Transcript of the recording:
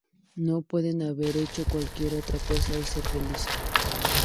No pude haber hecho cualquier otra cosa y ser feliz".